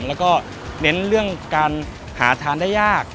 แล้วก็เน้นเรื่องการหาทานได้ยาก